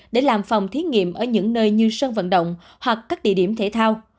để làm phòng thí nghiệm ở những nơi như sân vận động hoặc các địa điểm thể thao